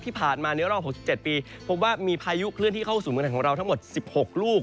ที่ผ่านมาในรอบ๖๗ปีพบว่ามีพายุเคลื่อนที่เข้าสู่เมืองไทยของเราทั้งหมด๑๖ลูก